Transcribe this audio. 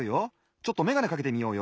ちょっとめがねかけてみようよ。